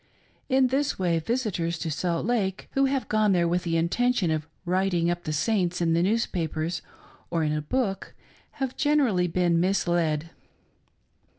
In this way visitors, to Salt Lake who have gone there with the intention of "Writing up" the Saints in the newspapers or in a book, have generally been misled.